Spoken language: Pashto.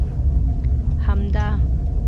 همدا!